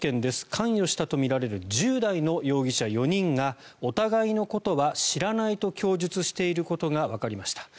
関与したとみられる１０代の容疑者４人がお互いのことは知らないと供述していることがわかりました。